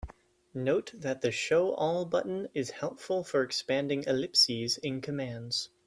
Note that the "Show all" button is helpful for expanding ellipses in commands.